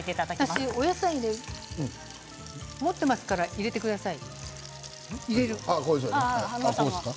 私が野菜を持ってますから入れてください。